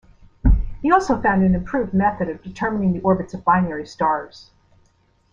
He also found an improved method of determining the orbits of binary stars.